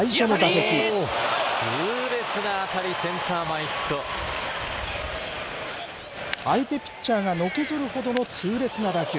痛烈な当たり、センター前ヒ相手ピッチャーがのけぞるほどの痛烈な打球。